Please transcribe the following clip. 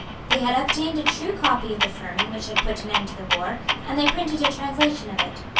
They had obtained a true copy of the Firman which had put an end to the war; and they printed a translation of it.